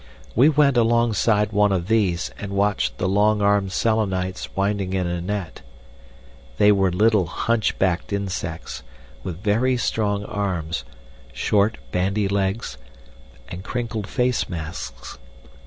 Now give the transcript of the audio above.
We went alongside one of these and watched the long armed Selenites winding in a net. They were little, hunchbacked insects, with very strong arms, short, bandy legs, and crinkled face masks.